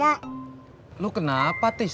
pak lu kenapa tis